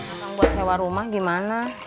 emang buat sewa rumah gimana